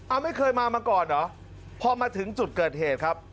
เอาไม่เคยมามาก่อนเหรอพอมาถึงจุดเกิดเหตุครับ